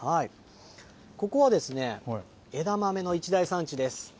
ここは枝豆の一大産地です。